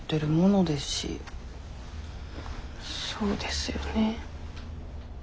そうですよね。